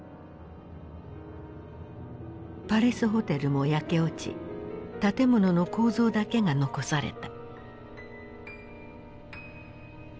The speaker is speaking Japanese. パレスホテルも焼け落ち建物の構造だけが残された。